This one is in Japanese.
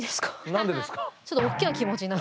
何でですか？